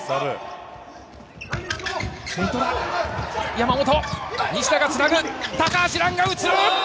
山本、西田がつなぐ、高橋藍が打つ。